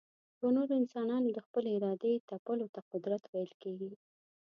پر نورو انسانانو د خپلي ارادې تپلو ته قدرت ويل کېږي.